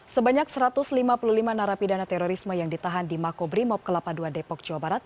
sebanyak satu ratus lima puluh lima narapidana terorisme yang ditahan di makobrimob kelapa dua depok jawa barat